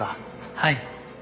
はい。